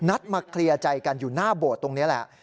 นัดมาเคลียร์ใจกันอยู่หน้าโบสถ์ตรงนี้แหละ